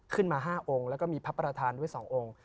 ขึ้นมา๕องค์แล้วก็มีพระประธานด้วย๒องค์